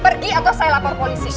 pergi atau saya lapor polisi